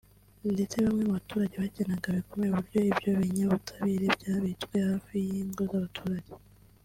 ndetse bamwe mu baturage bakanenga bikomeye uburyo ibyo binyabutabire byabitswe hafi y’ingo z’abaturage